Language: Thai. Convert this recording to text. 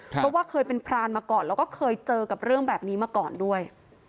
เพราะว่าเคยเป็นพรานมาก่อนแล้วก็เคยเจอกับเรื่องแบบนี้มาก่อนด้วย